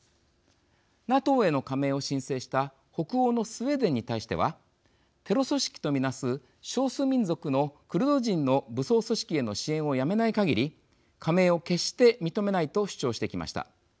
ＮＡＴＯへの加盟を申請した北欧のスウェーデンに対してはテロ組織と見なす少数民族のクルド人の武装組織への支援をやめないかぎり加盟を決して認めないと主張してきました。